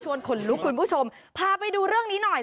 คนลุกคุณผู้ชมพาไปดูเรื่องนี้หน่อย